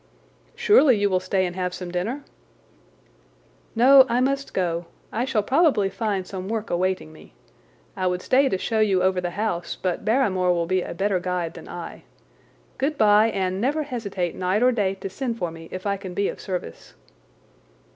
"Surely you will stay and have some dinner?" "No, I must go. I shall probably find some work awaiting me. I would stay to show you over the house, but Barrymore will be a better guide than I. Good bye, and never hesitate night or day to send for me if I can be of service."